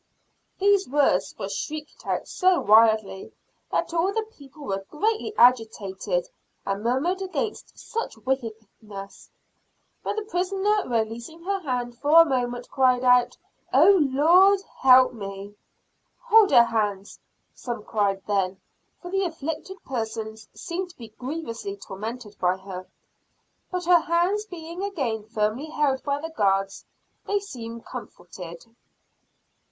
These words were shrieked out so wildly, that all the people were greatly agitated and murmured against such wickedness. But the prisoner releasing her hand for a moment cried out, "Oh, Lord, help me!" "Hold her hands," some cried then, for the afflicted persons seemed to be grievously tormented by her. But her hands being again firmly held by the guards, they seemed comforted.